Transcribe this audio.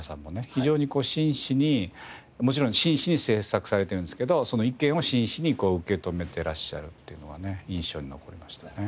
非常に真摯にもちろん真摯に制作されてるんですけどその意見を真摯に受け止めてらっしゃるというのはね印象に残りましたね。